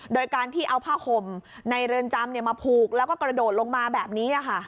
โดยการที่เอาผ้าห่มในเรือนจำมาผูกแล้วก็กระโดดลงมาแบบนี้